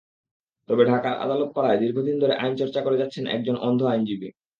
তবে ঢাকার আদালতপাড়ায় দীর্ঘদিন ধরে আইনচর্চা করে যাচ্ছেন একজন অন্ধ আইনজীবী।